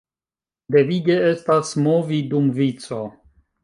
Devige estas movi dum vico.